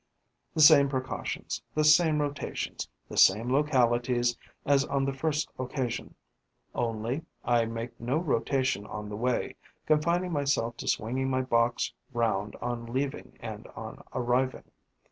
The same precautions, the same rotations, the same localities as on the first occasion; only, I make no rotation on the way, confining myself to swinging my box round on leaving and on arriving.